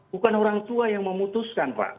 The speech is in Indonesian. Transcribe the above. bukan orang tua yang memutuskan pak